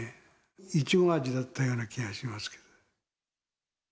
イチゴ味だったような気がしますけど。